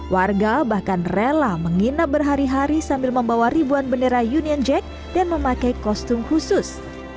warga bahkan rela menginap berhari hari sambil membawa ribuan bendera union jack dan memakai kostum khusus